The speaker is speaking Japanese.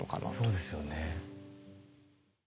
そうですよね。